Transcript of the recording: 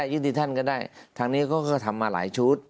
ยื่นที่ท่านก็ได้ทางนี้ทำมาหลายชุด